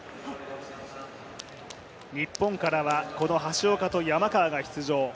日本からはこの橋岡と山川が出場。